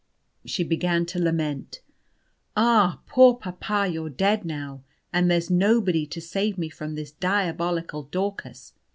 She began to lament: "Ah, poor papa you're dead now, and there's nobody to save me from this diabolical Daucus!"